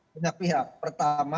penyakit yang berpengalaman